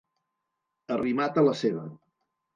Arrimat a la seva.